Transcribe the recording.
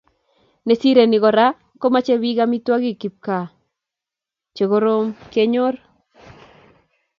Nesirei ni Kora komochei bik amitwogikab kipkaa chekorom kenyor